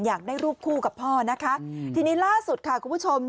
อยากได้รูปคู่กับพ่อนะคะทีนี้ล่าสุดค่ะคุณผู้ชม